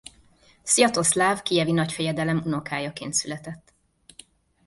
Szvjatoszláv kijevi nagyfejedelem unokájaként született.